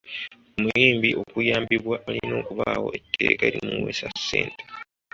Omuyimbi okuyambibwa walina okubaawo etteeka erimuweesa ssente.